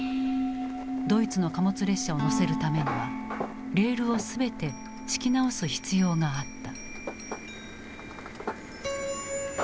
ドイツの貨物列車をのせるためにはレールを全て敷き直す必要があった。